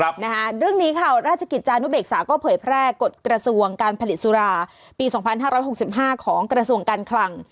เรื่องนี้ค่ะราชกิจจานุเบกษาก็เผยแพร่กฎกระทรวงการผลิตสุราปี๒๕๖๕ของกระทรวงการคลัง